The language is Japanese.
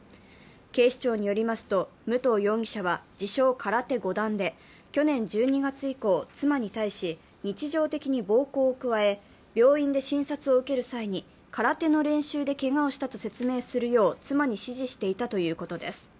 警視庁によりますと、武藤容疑者は自称・空手５段で、去年１２月以降、妻に対し日常的に暴行を加え、病院で診察を受ける際に空手の練習でけがをしたと説明するよう妻に指示していたということです。